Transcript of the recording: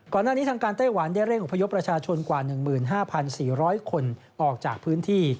ก่อนหน้านี้ทางการไต้หวันได้เร่งอุปยบประชาชนกว่า๑๕๔๐๐คนออกจากพื้นที่